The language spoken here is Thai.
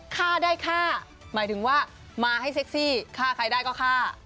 ฆ่าได้ฆ่าหมายถึงว่ามาให้เซ็กซี่ฆ่าใครได้ก็ฆ่า